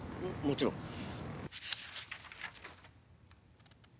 もちろん。